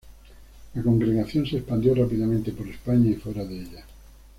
La congregación se expandió rápidamente por España y fuera de ella.